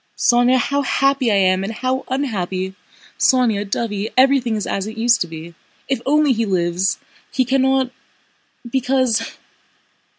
"Sónya, how happy I am, and how unhappy!... Sónya, dovey, everything is as it used to be. If only he lives! He cannot... because...